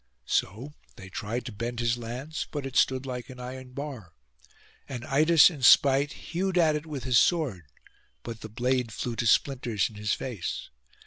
So they tried to bend his lance, but it stood like an iron bar; and Idas in spite hewed at it with his sword, but the blade flew to splinters in his face.